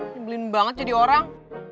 nyebelin banget jadi orang